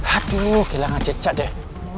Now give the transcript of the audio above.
aduh gila gak jejak deh